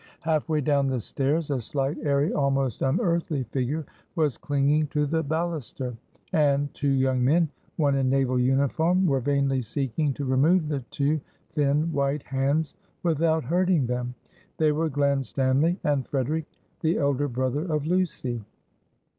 Half way down the stairs, a slight, airy, almost unearthly figure was clinging to the balluster; and two young men, one in naval uniform, were vainly seeking to remove the two thin white hands without hurting them. They were Glen Stanly, and Frederic, the elder brother of Lucy.